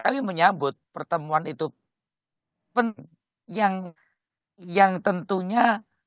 tapi menyambut pertemuan itu yang tentunya